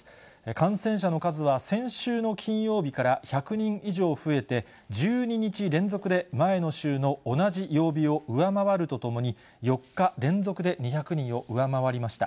感染者の数は、先週の金曜日から１００人以上増えて、１２日連続で前の週の同じ曜日を上回るとともに、４日連続で２００人を上回りました。